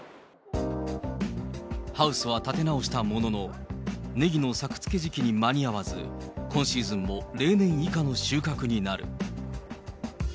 ハウスは建て直したものの、ネギの作付け時期に間に合わず、今シーズンも例年以下の収穫になる。